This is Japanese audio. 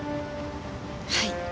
はい。